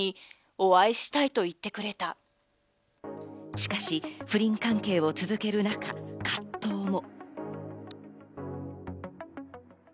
しかし不倫関係を続けるなか葛藤も。